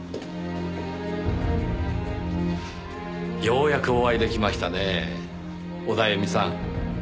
ようやくお会いできましたねぇオダエミさん。